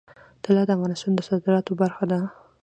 طلا د افغانستان د صادراتو برخه ده.